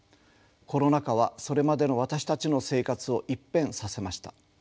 コロナ禍はそれまでの私たちの生活を一変させました。